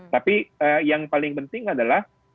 tapi yang paling penting adalah